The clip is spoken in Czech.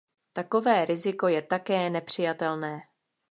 Takové riziko je také nepřijatelné.